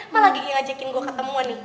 mah lagi ngajakin gue ketemuan nih